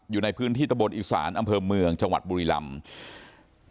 อยู่ในพื้นที่ตะบนอีสานอำเภอเมืองจังหวัดบุรีรำ